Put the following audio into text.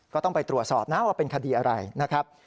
ก็ต้องไปตรวจสอบนะว่าเป็นคดีอะไรนะครับ